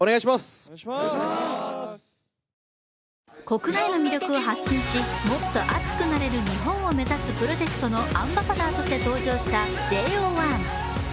国内の魅力を発信し、もっと熱くなれるプロジェクトのアンバサダーとして登場したＪＯ１。